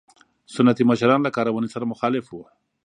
سنتي مشران له کارونې سره مخالف وو.